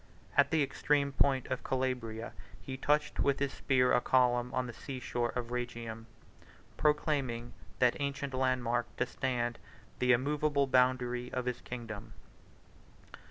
At the extreme point of the Calabria, he touched with his spear a column on the sea shore of Rhegium, 32 proclaiming that ancient landmark to stand the immovable boundary of his kingdom.